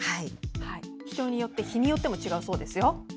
人によって、日によっても違うそうです。